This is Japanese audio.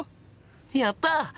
やった！